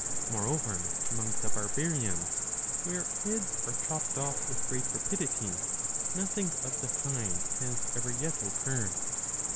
Moreover among the Barbarians, where heads are chopped off with great rapidity, nothing of the kind has ever yet occurred.